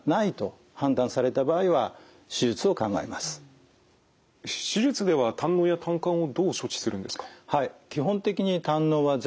こうした画像診断で手術では胆のうや胆管をどう処置するんですか？